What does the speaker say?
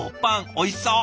おいしそう！